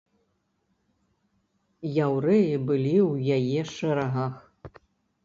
Яўрэі былі ў яе шэрагах.